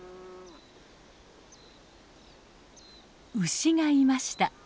牛がいました。